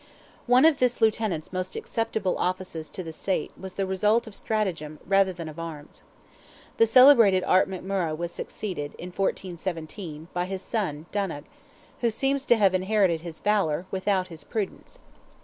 One of this Lieutenant's most acceptable offices to the State was the result of stratagem rather than of arms. The celebrated Art McMurrogh was succeeded, in 1417, by his son, Donogh, who seems to have inherited his valour, without his prudence.